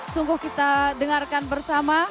sungguh kita dengarkan bersama